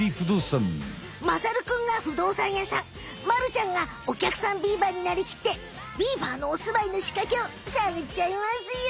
まさるくんが不動産屋さんまるちゃんがお客さんビーバーになりきってビーバーのおすまいのしかけをさぐっちゃいますよ！